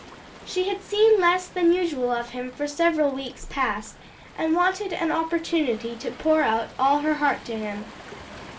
She had seen less than usual of him for several weeks past, and wanted an opportunity to pour out all her heart to him.